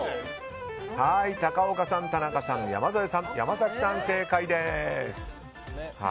高岡さん、田中さん、山添さん山崎さん、正解です。